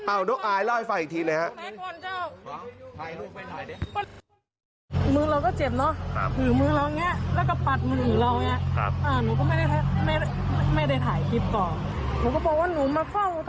เอาน้องอายเล่าให้ฟังอีกทีเลยครับ